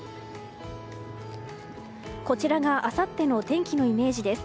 こちらがあさっての天気のイメージです。